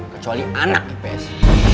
kecuali anak ips